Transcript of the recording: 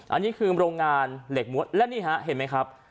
อันนี้คือโรงงานเหล็กม้วนและนี่ฮะเห็นไหมครับ